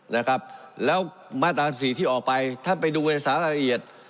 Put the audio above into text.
นะครับแล้วมาตามสถิติที่ออกไปถ้าไปดูในสารละเอียด